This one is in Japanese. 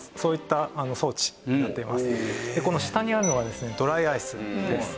でこの下にあるのがですねドライアイスです。